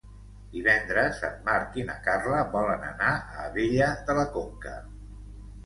Divendres en Marc i na Carla volen anar a Abella de la Conca.